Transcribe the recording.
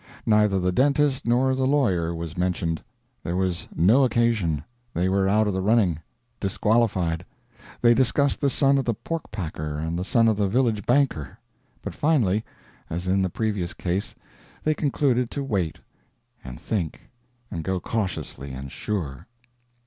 Neither the dentist nor the lawyer was mentioned; there was no occasion, they were out of the running. Disqualified. They discussed the son of the pork packer and the son of the village banker. But finally, as in the previous case, they concluded to wait and think, and go cautiously and sure.